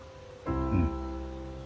うん。